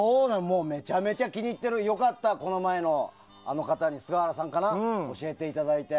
めちゃめちゃ気に入ってる良かった、この前のあの方に教えていただいて。